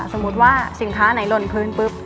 สมมุติว่าสินค้าไหนหล่นพื้นปุ๊บ